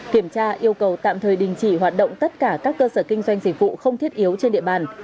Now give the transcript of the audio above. kiểm tra yêu cầu tạm thời đình chỉ hoạt động tất cả các cơ sở kinh doanh dịch vụ không thiết yếu trên địa bàn